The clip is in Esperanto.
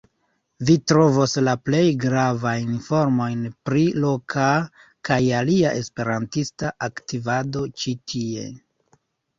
Vi trovos la plej gravajn informojn pri loka kaj alia esperantista aktivado ĉi tie.